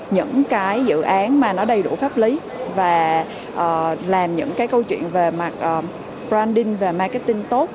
những cái dự án mà nó đầy đủ pháp lý và làm những cái câu chuyện về mặt branding và marketing tốt